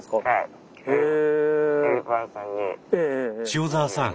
塩澤さん